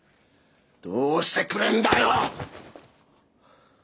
どうしてくれんだよ！